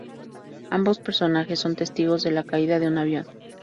Ambos personajes son testigos de la caída de un avión.